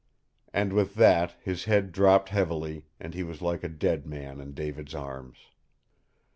And with that his head dropped heavily, and he was like a dead man in David's arms.